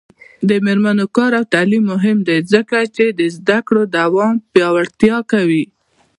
د میرمنو کار او تعلیم مهم دی ځکه چې زدکړو دوام پیاوړتیا کوي.